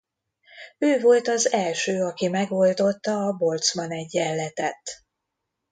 Ő volt az első aki megoldotta a Boltzmann-egyenletet.